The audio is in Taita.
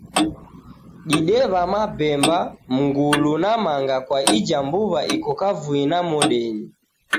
Didew'a mabemba, mngulu na manga kwa ija mbuw'a iko kavui na modenyi.